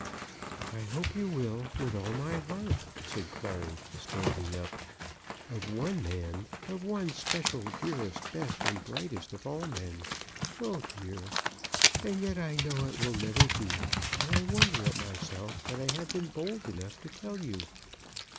"I hope you will, with all my heart," said Clary, standing up, "of one man, of one special, dearest, best, and brightest of all men. Oh dear! And yet I know it will never be, and I wonder at myself that I have been bold enough to tell you."